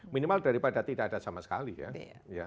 minimal daripada tidak ada sama sekali ya